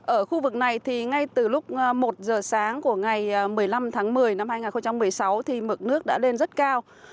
ở khu vực này thì ngay từ lúc một giờ sáng của ngày một mươi năm tháng một mươi năm hai nghìn một mươi sáu thì mực nước đã lên rất cao